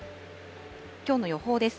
きょうの予報です。